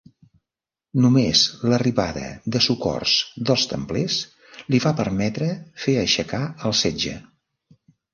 Només l'arribada de socors dels templers li va permetre fer aixecar el setge.